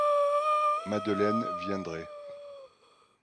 Madeleine viendrait.